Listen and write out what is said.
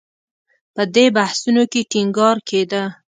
په دې بحثونو کې ټینګار کېده